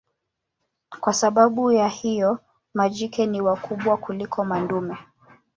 Kwa sababu ya hiyo majike ni wakubwa kuliko madume.